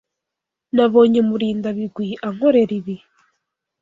Nabonye Murindabigwi ankorera ibi.